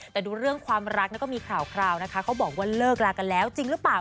แต่ดูเรื่องความรักก็มีข่าวนะคะเขาบอกว่าเลิกลากันแล้วจริงหรือเปล่า